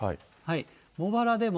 茂原でも。